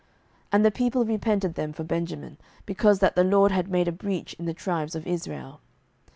07:021:015 And the people repented them for Benjamin, because that the LORD had made a breach in the tribes of Israel.